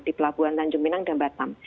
di pelabuhan tanjung pinang dan batam